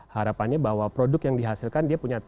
harapannya bahwa produk yang dihasilkan dia punya